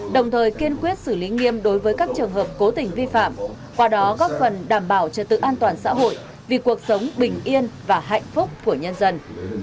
đồng thời kiên quyết xử lý nghiêm đối với các trường hợp cố tình vi phạm qua đó góp phần đảm bảo trật tự an toàn xã hội vì cuộc sống bình yên và hạnh phúc của nhân dân